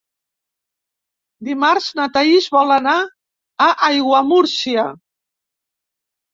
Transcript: Dimarts na Thaís vol anar a Aiguamúrcia.